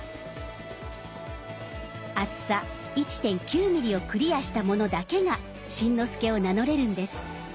厚さ１．９ｍｍをクリアしたものだけが新之助を名乗れるんです。